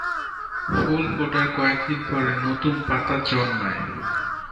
ফুল ফোটার কয়েকদিন পরে নতুন পাতা জন্মায়।